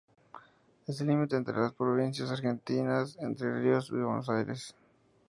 Es el límite entre las provincias argentinas de Entre Ríos y Buenos Aires.